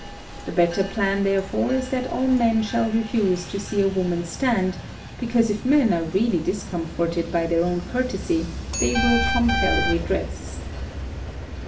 The better plan, therefore, is that all men shall refuse to see a woman stand, because if men are really discomforted by their own courtesy they will compel redress.